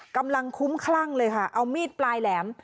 กำลังคุ้มคลั่งเลยค่ะเอามีดปลายแหลม